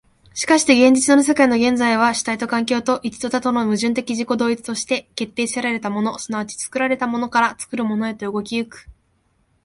しかして現実の世界の現在は、主体と環境と、一と多との矛盾的自己同一として、決定せられたもの即ち作られたものから、作るものへと動き行く。